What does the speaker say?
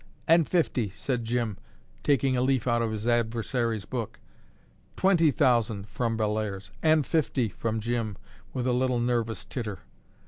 "And fifty," said Jim, taking a leaf out of his adversary's book. "Twenty thousand," from Bellairs. "And fifty," from Jim, with a little nervous titter.